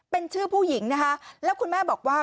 เป็นชื่อผู้หญิงนะคะแล้วคุณแม่บอกว่า